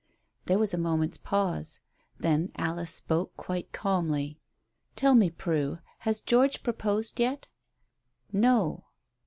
There was a moment's pause. Then Alice spoke quite calmly. "Tell me, Prue, has George proposed yet?" "No."